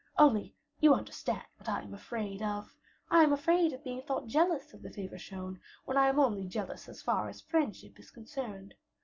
Only you understand what I am afraid of I am afraid of being thought jealous of the favor shown, when I am only jealous as far as friendship is concerned.